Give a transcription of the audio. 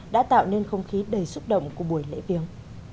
đã tạo nên không khí đầy xúc động của buổi lễ viếng